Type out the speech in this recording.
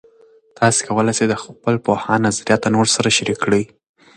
تاسې کولای سئ د خپل پوهاند نظریات د نورو سره شریک کړئ.